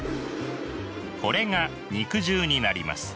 これが肉汁になります。